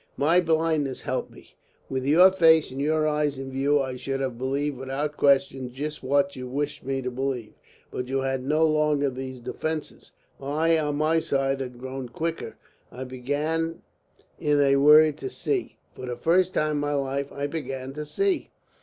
My blindness helped me. With your face and your eyes in view I should have believed without question just what you wished me to believe. But you had no longer those defences. I on my side had grown quicker. I began in a word to see. For the first time in my life I began to see."